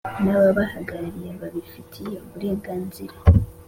n ababahagarariye babifitiye uburenganzira